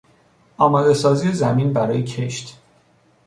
آماده سازی زمین برای کشت